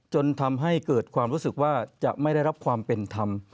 จนทำให้เกิดความรู้สึกว่าจะไม่ได้รับความเป็นธรรม